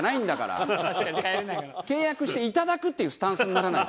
「契約していただく」っていうスタンスにならないと。